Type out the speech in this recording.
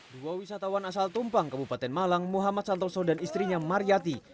dua wisatawan asal tumpang kabupaten malang muhammad santoso dan istrinya mariyati